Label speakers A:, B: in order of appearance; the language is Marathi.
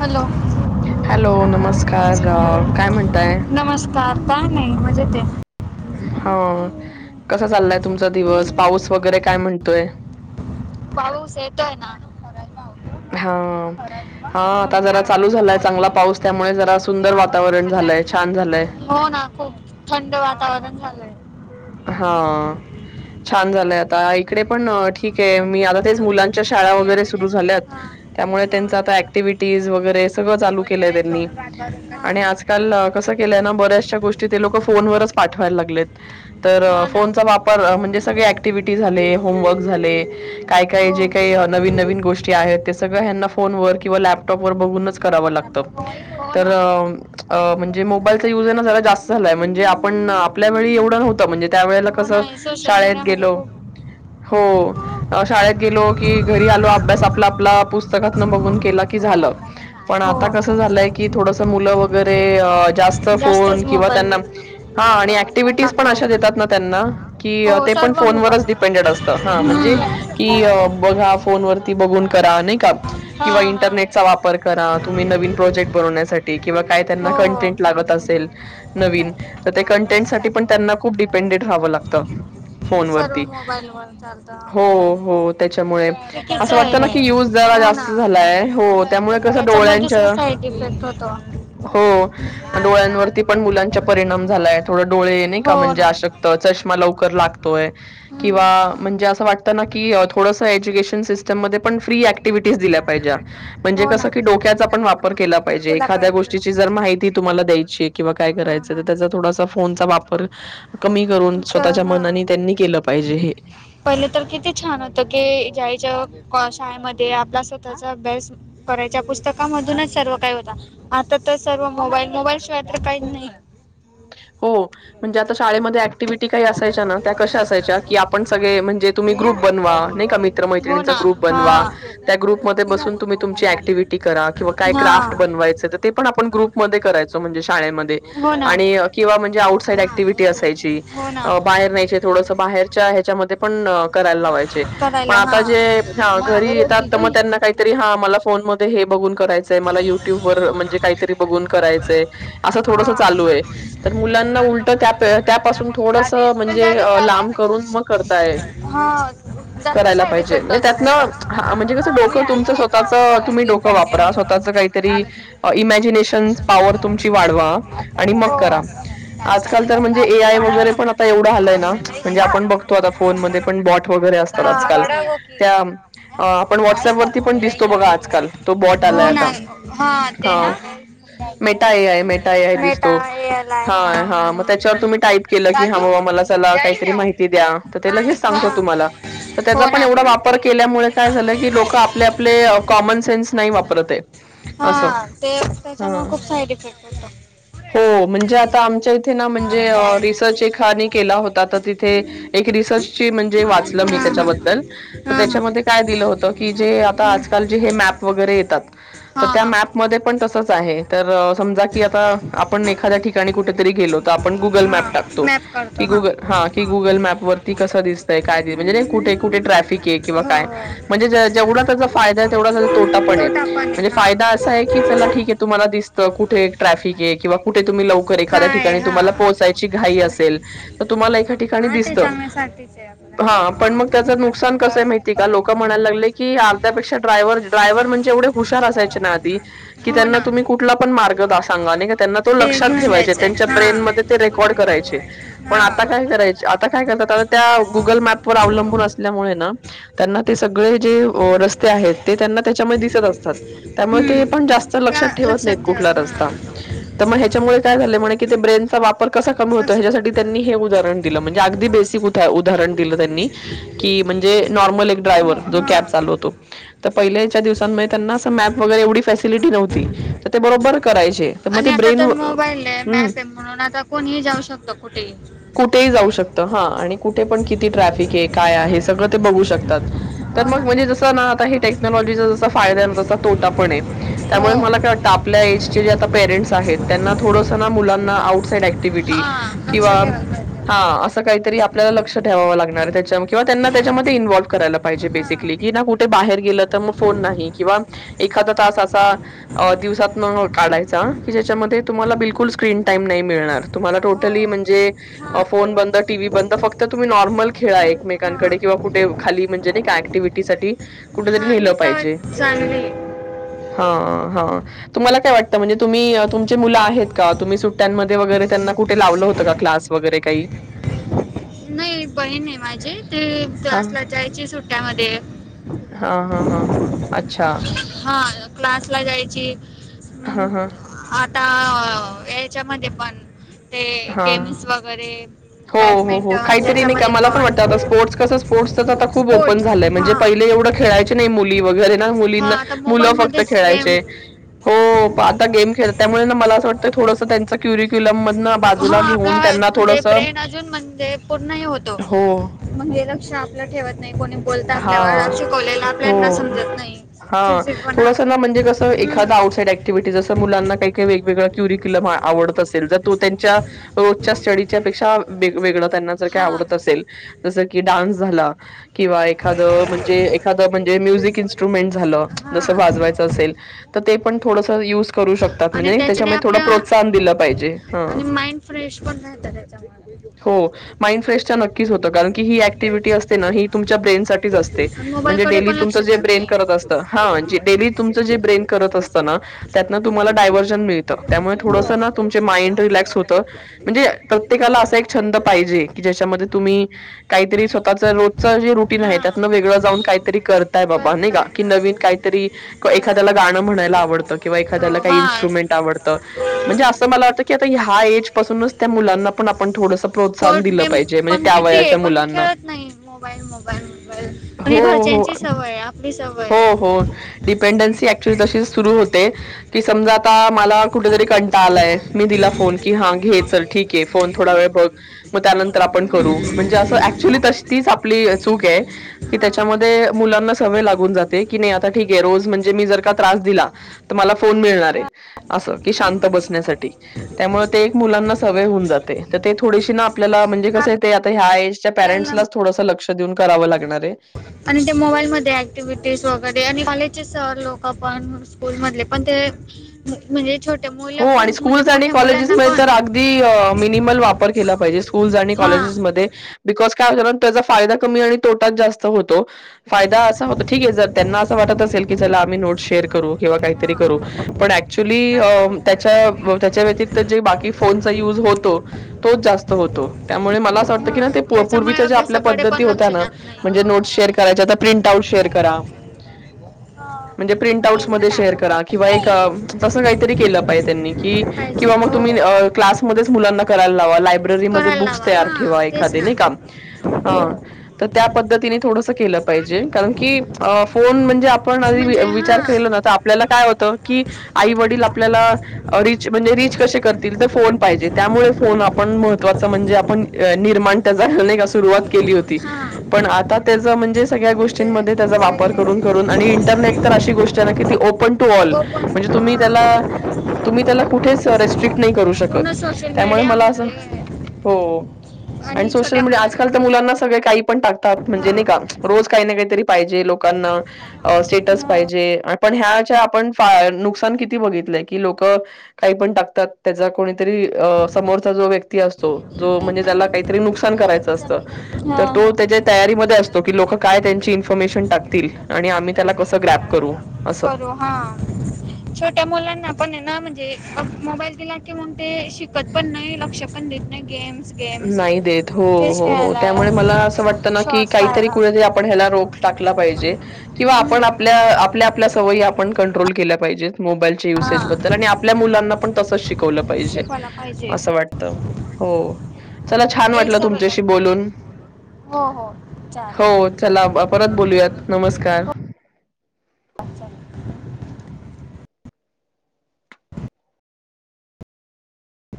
A: हॅलो.
B: हॅलो. नमस्कार. अ... काय म्हणताय.
A: नमस्कार काय नाही. मजेत आहे.
B: हा कसा चाललाय तुमचा दिवस. पाऊस वगैरे काय म्हणतोय.
A: पाऊसं येतोय ना.
B: हा हा आता जरा चालू झालाय चांगला पाऊस त्यामुळे जरा सुंदर वातावरण झाल. लय छान झालंय.
A: हो ना. खूप थंड वातावरण. झालंय
B: हा. छान झालंय आता इकडे पण. ठीक आहे मी आता
A: हा
B: तेच मुलांच्या शाळा वगैरे सुरु झाल्यात. त्यामुळे त्यांचा आता ऍक्टिव्हटीज वगैरे. हे सगळं चालूं केलयं त्यांनी.
A: हा
B: आजकाल कस केलंय ना बऱ्याचशा गोष्टी ते लोक फोनवर. चं पाठवायला लागलेत तर
A: हा ना
B: फोन चा वापर म्हणजे सगळ्या ऍक्टिव्हिटी झाले, होम वर्क झाले. काय काय
A: हो
B: जे काही नविन नवीन गोष्टी आहेत. सगळ ह्यांना फोनवर किंवा लॅपटॉप वर बघूनच. करावं लागत.
A: हो
B: तर
A: ना
B: अ-म्हणजे मोबाईलचा युझ जरा जास्तच झालाय. म्हणजे आपण- आपल्या वेळी एवढं नव्हतं म्हणजे त्या वेळेला
A: हो
B: कस
A: नाही सोशल
B: शाळेत
A: मीडिया म्हणजे
B: गेलो.
A: खूप
B: हो शाळेत गेलो की घरी आलो अभ्यास आपला. आ.. पुस्तकात न बघून केला की
A: झोपडा
B: झालं. पण
A: प्रमाण
B: आता कसं
A: हो
B: झालं की. [unintelligible] जास्त फोन
A: जास्तच
B: किंवा. [unintelligible]
A: मोबाईलवर लागतो.
B: देतात ना त्यांना की
A: हो
B: ते पण
A: सर्व
B: फोनवरच
A: मोबाईलवर
B: डिपेंड असतं म्हणजे
A: हम्म.
B: की. बघा फोनवररती. बघून करा नाही का.
A: हा
B: किंवा
A: हा
B: इंटरनेट चा वापर करा नवीन प्रोजेक्ट बनवण्याठी. किंवा काय करणार
A: हो हो
B: कंटेन्ट. पण त्यांना खूप डिपेंडेट.
A: सर्व
B: फोनवरती
A: मोबाईलवर चालतं
B: हॊ..
A: आता तर
B: हॊ.. हॊ त्याच्यामुळे.
A: चुकीचं आहे हे हो ना
B: जास्त झालाय. हो
A: त्याच्यामुळे दुसरा साईड इफेक्ट होतो आजकाल
B: डोळ्यांवरती.
A: भरपूर गडबड होती. हो
B: म्हणजे
A: ना
B: अशक्त
A: किंवा
B: चष्मा- [inaudible] [unintelligible] म्हणजे
A: लवकर लागतोय हम्म किंवा म्हणजे असं वाटतं ना की थोडस एज्युकेशन सिस्टम मध्ये पण फ्री ऍक्टिव्हिटीज दिल्या पाहिजे हो
B: कस.
A: ना म्हणजे कसं की डोक्याचा पण वापर केला केला पाहिजे एखाद्या पाहिजे. गोष्टीची जर माहिती तुम्हाला
B: द्यायची किंवा
A: आहे
B: काय
A: हा, हा.
B: करायच तर
A: करायचं
B: त्याचा थोडासा फोनचा.
A: वापर
B: कमी करून स्वतःच्या
A: हा
B: मनानी.
A: पहिले तर किती. करायच्या पुस्तकामधूनच सर्व काय होता आता तर सर्व मोबाईल मोबाईल शिवाय तर काहीच नाही.
B: हो म्हणजे आता शाळेमध्ये ऍक्टिव्हटी. काही असायच्या ना त्या कशा असायच्या की आपण सगळे म्हणजे तुम्ही
A: भैया
B: ग्रुप बनवा नाही का
A: हो
B: मित्रमैत्रणींचा
A: ना
B: ग्रुप.
A: हा
B: बनवा त्या
A: स्टेशन पर
B: ग्रुपमध्ये
A: रोकती का
B: बसून तुम्ही
A: उतरो मैं
B: तुमच्या
A: यहाँ
B: ऍक्टिव्हिटी
A: पे
B: करा किंवा काय
A: हा
B: क्राफ्ट बनवायच ते आपण. ग्रुप मद्धे करायचो म्हणजे शाळेमध्ये
A: हो ना
B: आणि अ... किंवा म्हणजे आउटसाईड
A: वहाँ
B: ऍक्टिव्हटी
A: आगे
B: असायची
A: रोक हो ना
B: बाहेर नाहीय थोडसं बाहेरच्या ह्याच्यामध्ये पण
A: करायला हा वहाँ आगे
B: करी
A: रोक
B: त्यां
A: दीजिए
B: का
A: स्टेशन से आगे रोक
B: ब करायचय मला युट्यूब व म्हणजे काहीतरी बघून करायचंय असं थोडस चालू
A: हा
B: आहे तर मुलांना उलट त्या त्यापासून थोडस
A: दादी स्कूल
B: म्हणजे
A: जाजे काला है
B: लांब
A: बेटा
B: करून मग करताय
A: हा जास्त
B: करायला
A: साईड
B: पाहिजे
A: इफेक्ट
B: म्हणजे
A: होतो त्याचा
B: त्यातनं म्हणजे कसं
A: हो
B: डोकं तुमचं स्वतःच तुम्ही डोकं वापरा स्च काहीतरी इमॅजिनेशन पॉवर तुमची वाढवा आणि मग करा आजकाल तर म्हणजे ए आय वगैरे पण आता एवढं आलंय ना म्हणजे
A: हा.
B: आपण बघतो आता फोनमध्ये पण ब वतो लाय
A: हो ना
B: आता
A: ते
B: हा
A: ना
B: मेठाई आहे मेटाई आहे
A: मेटा
B: दिसतो
A: एल आय
B: ह हा मग त्याच्यावर तुम्ही टाईप केलं की हा बाबा मला चला काहीतरी माहिती द्या तर ते लगेच सांगत
A: हा
B: तुम्हाला
A: हो ना
B: णपल्यामुळे का झा क लोक आप कॉमन सन त
A: हा ते त्याच्यामुळे खूप साईड इफेक्ट होतो.
B: हो म्हणजे आमच्या इथे ना म्हण केला हो तथ
A: हा हा हा
B: काय दिलं सा
A: हा हा
B: आ आप एखा ठ कुठेतरी गेलं तर आपण गुगल
A: हा
B: मॅप
A: हा
B: टाकतो
A: मॅप करतो
B: हा गुगल मॅप वरती कसं दिसतंय क कुयव
A: हो
B: फाय
A: तोटा पण आहे
B: म्हणजे
A: हा
B: फायदा असा आहे की चला ठीक आहे तुम्हाला दिसतं कुठे्रॅफिक आहे किंवा कुठे तुम् ठा
A: काय हा
B: त पो घा असे तर तुम्हाला ए ठिकाणी
A: हा ते
B: दिसत
A: चांगल्यासाठीच आहे आपलं.
B: हा पण मग त्याचं नुकसान कसं माहिती का लोक म्हणायलाग कीर्ध्यापेाड्रायव्ह डायव्ह म्हणज त्यां त क
A: हो ना ते घेऊन
B: ठे
A: जायचंय
B: त्यां
A: हा
B: ब्रे रेकॉर्ड कराय प आ
A: हा
B: काय क आय ल मप व अवलंबून असल्यामुळे त्यां ते सगळे जे रते त्यां त्या अस त्या
A: हम्म
B: पणत
A: का
B: लक्षात ठे नाही
A: लक्षात ठेवा
B: कुठला रग
A: हा
B: हच्या य झा म्ह क ते ब्रेनचा वापर कसा कमी होतो
A: कस
B: ह्यासाठीनी हे उदाहरण दिलं म्हणजे अगदी बेसिक उदाहरण ण
A: मो- हा
B: त्यांना मॅप वगैरे एवढी फॅसिलिटी नव्हती तरी ते बरोबर करायचे ते ब्रेन होतं
A: हि मॅप म्हणून आता कोणीही जाऊ शकत कुठेही
B: कुठे जाऊ शकत हा आणि कुठे पण किती ट्रॅफिक आहे काय आहे सगळं ते बघू शकतात तर
A: हो ना
B: मग तो त्याला कारण
A: हो
B: साहेब यांना थोडं मुलांना ऑक्साईड ऍक्टिव्हिटी
A: हा लक्ष
B: किंवा
A: ठेवायला पाहिजे
B: हा असं काहीतरी आपल्याला लक्ष ठेवावं लागणार त्या किंवा त्यांना त्याच्यामध्ये इन्वॉल्व्ह करायला पाहिजे
A: हा
B: बेसिकली कुठे बाहेर गे तर म फोन नाही किंवा एखा त असा दिवसात मग काढायचा की ज्याच्यामध्ये तुम्हाला बिलकुल स्क्रीन टाईम नाही मिळणार तुम्हाला
A: हो
B: म्हणजे
A: हा
B: फोन बंद
A: तेव्हाच
B: टीव्ही बंद फक्त तुम्ही नॉर्मल खेळा
A: मला- हा
B: एकमेकांकडे किंवा कुठे खाली म्हणजे नाही ऍक्टिव्हटी साठी कुठ तरी
A: हा
B: नेलं
A: ही सवय
B: पाहिजे
A: चांगली
B: हा हा तुम्हाला काय वाटतं म्हणजे तुम्ही? तुमची मुले आहेत का त्यांना सुट्टीन मध्ये वगैरे कुठे लावलं होतं का क्लासला वगैरे काही.
A: नाही बहीण आहे माझी ते
B: हां.
A: क्लासला जायचे सुट्ट्यामध्ये.
B: हा अच्छा!
A: हा क्लास ला जायची.
B: हां हां
A: आता याच्यामध्ये पण ते
B: हां.
A: गेम्स वगैरे.
B: हो हो हो
A: बॅडमिंटन
B: काहीतरी नाही का
A: त्याच्यामध्ये
B: मला पण वाटता स्पोर्ट कस स्पोर्टचता खूप ओपन
A: स्पोर्ट्स
B: झालंय म्हणजे
A: हा
B: पहि. एवढं खेळायच नाही मुली वगैरे ना मुली.
A: हा आता
B: मुलं फक्त
A: मोबाईलमध्येच गेम
B: खेळायचे. हो आता गेम खेळत त्यामुळे मला असं वाटतं थोडंसं त्यांच क्युरिक्युलम मध
A: हा
B: बाजूला घेऊन.
A: आपला
B: त्यांना
A: म्हणजे
B: थोडस.
A: ब्रेन म्हणजे पूर्ण होत ल आप ठेवत नाही को. बोलतं आपल्यावर
B: हां.
A: शिकवलेलं आपल्यांना समजत नाही.
B: हा
A: चिडचिडपणा
B: थोडासा ना
A: होतो
B: म्हणजे कसं एखादा
A: हम्म.
B: आउटसाइड अँक्टिव्हिटी जसं मुलांना काही काही वेगवेगळ क्युरी क. [inaudible] आवडत असेल त. तो त्यांच्या रोजच्या स्टडीच्या पेक्षा वेग-वेगळं त्यांना जर काय
A: हा
B: आवडत असेल जसं की डान्स झाला किंवा एखादं म्हणजे एखादं म्हणजे म्युझिक इन्स्ट्रुमेंट झालं
A: हा
B: जसं वाजवायचं असेल तर ते पण थोडसं यूज करू शकतात
A: आणि
B: म्हणजे
A: त्याच्याने
B: त्याच्यामुळं थोडं
A: आपल्या
B: प्रोत्साहन दिलं पाहिजे हं..
A: आणि माइंड फ्रेश पण नाही चांगथ.
B: माइंड फ्रेशच्या नक्कीच होतं कारण की ही ऍक्टिव्हिटी असते ना ही तुमच्या ब्रेन साठीच असते म्हणजे डेली
A: पण
B: तुमचं
A: लक्ष
B: जे
A: जात
B: ब्रेन
A: नाही
B: करत असतं हा म्हणजे डेली तुमचं जे ब्रेन करत असतंना त्यातनं तुम्हाला डायव्हर्शन मिळतं त्यामुळं
A: हो
B: थोडंसना तुमचं माईंड रिलॅक्स होतं म्हणजे प्रत्येकाला अस. छंद पाहिजे की ज्याच्या मध्ये तुम्ही कायतरी स्वतःचं रोजचं जे रुप तिन
A: हा
B: हायत त्यातनं वेगळं जाऊन कायतरी करताय बाबा नायका
A: करताय
B: की
A: हा
B: नवीन कायतरी
A: हो ना
B: एखाद्याला गाणं म्हणायला. ला आवडतं किंवा एखाद्याला
A: तो
B: काही
A: हा
B: इन्स्ट्रुमेंट आवडतं म्हणजे असं मला वाटतं की आता ह्या एज पासूनच मुलांना पण आपण थोडंस प्रोत्साहन
A: स्पोर्ट
B: दिलं
A: गेम
B: पाहिजे म्हणजे
A: पण
B: त्या
A: किती आहे
B: वयाच्या
A: पण
B: मुलांना.
A: खेळत नाही मोबाईल मोबाईल मोबाईल पण ही
B: हो हो.
A: घरच्यांची सवय आहे, आपली सवय
B: हो
A: आहे.
B: हो डिपेंडन्सी ॲक्च्युअली तशी सुरू होते की समजा आता मला. कुठेतरी कंटाळा आलाय मी दिला फोन की हा घे चल ठिक्ये फोन थोडा वेळ बघ. ग त्यानंतर आपण करू म्हणजे असं ॲक्च्युअली तीच आपली चुकये की
A: हा
B: तच्यामध्ये सवय लागून जाते की आपल्याला तर ठीक आहे रोज आपण म्हटलं तर का त्रास दिला तर मला फोन. अस की शांत बसण्यासाठी त्यामुळे ते एक मुलांना सवय होऊन जाते. तर ते थोडीशी ना आपल्या म्हणजे कसं आहे ते आता ह्या एज च्या प्यारेंट्स
A: आपल्याला
B: थोडसं लक्ष. देऊन कराव लागणारये.
A: आणि ते मोबाईलमध्ये ऍक्टिव्हिटीज वगैरे आणि कॉलेजचे सर लोकं पण स्कूल मधले पण. जे म्हणजे छोट
B: हो आणि स्कूल्स आणि कॉलेजेस मध्ये तर
A: पण
B: अगदी अ.. मिनिमल वापर केला पाहिजे स्कूल्स आणि
A: हा
B: कॉलेजे जेस मध्ये बिकॉज. त्याचा फायदा कमी आणि तोटाच जास्त होतो फायदा असा होतो की ठीके जर त्यांना असं वाटत अस. सेल की चला आम्ही नोट शेअर करू किंवा कायतरी करू पण ॲक्. च्युअली
A: काय
B: अ..
A: करू
B: त्याच्या त्याच्या व्यतिरिक जे बाकी. की फोनचा युज होतो तोच जास्त होतो त्यामुळे मला असं वाटतं
A: हा
B: की ना ते पू -
A: त्याच्यामुळे
B: पूर्वीच्या ज्या आपल्या
A: अभ्यासाकडे
B: पद्धती
A: पण
B: होत्या
A: लक्ष
B: ना
A: जात नाही
B: म्हणजे नोट्स शेअर करायच्या आता प्रिंट आउट शेअर करा. म्हणजे प्रिंट आऊटस मध्ये शेअर करा किंवा एक अज् तसं काहीतरी केलं. त्यांनी की किंवा
A: पाहिजे
B: मग
A: हो
B: तुम्ही अं.. क्लास मध्येच मुलांना कराय लावा लाय. ब्ररी मध्ये
A: करायला
B: बुक्स
A: लावा
B: तयार
A: हा
B: ठेवा
A: तेच
B: एखादे
A: ना
B: नय का अ..
A: हो
B: तर त्या पद्धतीने थोडंस केलं पाहिजेल कारण की अ. फोन म्हणजे आपण‌ आधी
A: म्हणजे हा
B: वि-विचार केलो ना तर आपल्याला काय होतं कि आई वडील आपल्याला अ रिच म्हणजे रिच कसे करतील तर फोन पाहिजे त्यामुळे फोन आपण महत्त्वाचा म्हणजे आपण [unintelligible] निर्माण त्याचा अ नाय का सुरुवात केली होती
A: हा
B: पण आता त्याच म्हणजे सगळ्या गोष्टींमध्ये
A: म्हणजे
B: त्याचा वापर पर करून करुन आणि इंटरनेट तर अशी गोष्टय ना की ती ओपन टू ऑल
A: ओपन
B: म्हणजे तुम्ही त्याला
A: हा
B: तुम्ही त्याला कुठेच अ रिस्ट्रिक्ट नाही करू
A: पूर्ण
B: शकत
A: सोशल
B: त्यामुळे
A: मीडिया
B: मला असं
A: म्हणजे
B: हो आणि सोशल
A: छोट्या
B: मीडिया
A: मुलांना
B: आजकाल तर मुलांना सगळे काही पण टाकतात
A: हा
B: म्हणजे नयका रोज कायना कायतरी पाहिजे लोकांना अ.. स्टेटस
A: हा हा
B: पाहिजे अन् पण ह्या च्या आपण भार नुकसान किती बघितलंय की लोक कं कायपण टाकतात त्याचा कोणीतरी अं.. समोरचा जो व्यक्ती असतो जो म्हणजे त्याला काहीतरी नुकसान करायचं असतं तर तो
A: हा
B: त्याच्या तयारीमध्ये असतो की लोकं काय त्यांची इन्फरमेशन टाकतील आणि आम्ही त्याला कसं ग्रप करू असं
A: करू हा छोट्या मुलांना पण आहे ना म्हणजे अ मोबाईल दिला की मंग ते शिकत पण नाही लक्ष पण देत नाही गेम
B: नाही देत हो हो हो त्यामुळे
A: खेळायला
B: मला असं वाटत ना की
A: शॉर्ट्स
B: काहीतरी
A: पाहायला
B: कुठेतरी आपण ह्याला रोप टाकत क आप
A: हम्म.
B: आपल्या सवयी आपण कंट्रोल केल्या पाहिजेत मोबाईलच्या युसेजबद्दल
A: हा
B: आणि आपल्या मुलांना पण तसंच शिक शवलं पाहिजे
A: शिकवायला पाहिजे
B: असं वाटत हो चला छान
A: एक
B: वाटलं
A: सवयला
B: तुमच्याशी बोलून
A: हो हो चालेल
B: हो चला परत बोलूयात नमस्कार
A: चाल